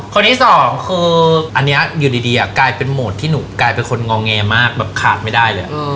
คนที่สองคืออันนี้อยู่ดีกลายเป็นโหมดที่หนูกลายเป็นคนงอแงมากแบบขาดไม่ได้เลย